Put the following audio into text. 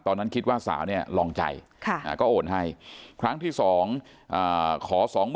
ตอนนั้นคิดว่าสาวเนี่ยลองใจก็โอนให้ครั้งที่๒ขอ๒๐๐๐